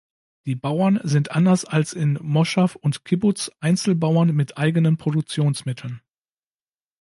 Die Bauern sind anders als in Moschaw und Kibbuz Einzelbauern mit eigenen Produktionsmitteln.